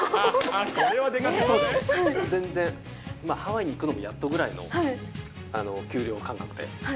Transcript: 当時、全然、ハワイに行くのもやっとぐらいの給料感覚で。